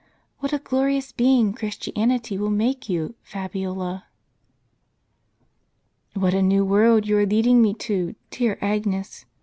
What a glorious being Christianity will make you, Fabiola! " "What a new world you are leading me to, dear Agnes!